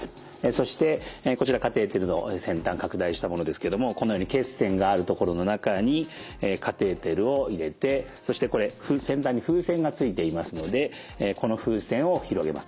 そしてこちらカテーテルの先端拡大したものですけどもこのように血栓がある所の中にカテーテルを入れてそしてこれ先端に風船がついていますのでこの風船を広げます。